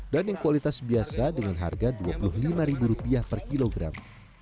dan yang kualitas biasa dengan harga rp dua puluh lima per kilogram